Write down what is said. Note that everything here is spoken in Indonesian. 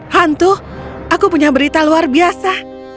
hantu aku punya berita luar biasa